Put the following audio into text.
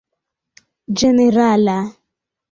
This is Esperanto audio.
ĝenerala